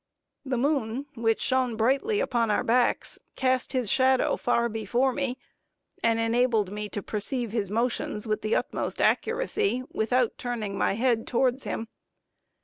The moon, which shone brightly upon our backs, cast his shadow far before me, and enabled me to perceive his motions with the utmost accuracy, without turning my head towards him.